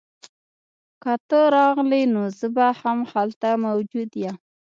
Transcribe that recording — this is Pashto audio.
که ته راغلې نو زه به هم هلته موجود یم